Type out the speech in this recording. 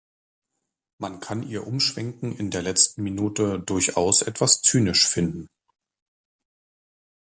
Man kann ihr Umschwenken in der letzten Minute durchaus etwas zynisch finden.